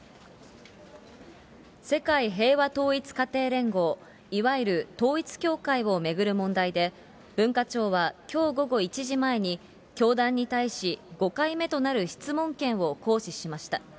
世界平和統一家庭連合、いわゆる統一教会を巡る問題で、文化庁はきょう午後１時前に、教団に対し５回目となる質問権を行使しました。